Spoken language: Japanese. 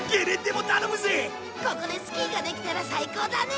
ここでスキーができたら最高だね！